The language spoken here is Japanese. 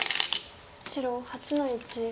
白８の一。